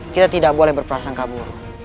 kita tidak boleh berperasaan kabur